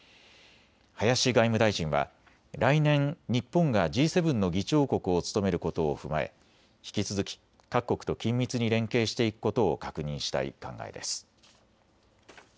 林外務大臣は来年、日本がＧ７の議長国を務めることを踏まえ、引き続き各国と緊密に連携していくことを確認したい考えです。